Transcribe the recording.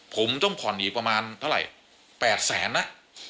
ผมต้องข่อนอีกประมาณ๘แสนน่ะ